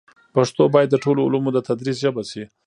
پښتو باید د ټولو علومو د تدریس ژبه شي.